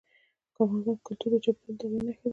افغانستان کې کلتور د چاپېریال د تغیر نښه ده.